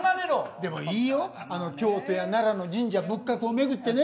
でもいいよ京都や奈良の神社仏閣を巡ってね。